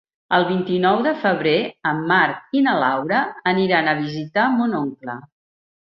El vint-i-nou de febrer en Marc i na Laura aniran a visitar mon oncle.